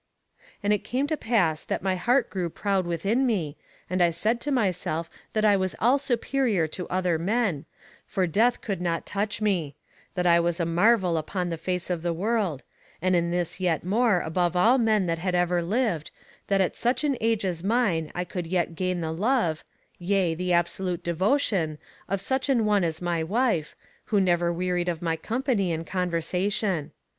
"'And it came to pass that my heart grew proud within me, and I said to myself that I was all superior to other men, for Death could not touch me; that I was a marvel upon the face of the world; and in this yet more above all men that had ever lived, that at such an age as mine I could yet gain the love, yea, the absolute devotion, of such an one as my wife, who never wearied of my company and conversation.